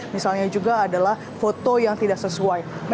misalnya juga adalah foto yang tidak sesuai dengan kebenaran